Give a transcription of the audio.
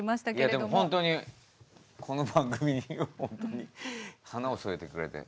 いやでもほんとにこの番組に花を添えてくれて。